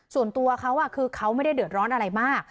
ส่วนตัวเขาคือเขาไม่ได้เดือดร้อนอะไรมาก